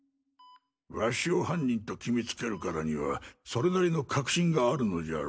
わしを犯人と決めつけるからにはそれなりの確信があるのじゃろ。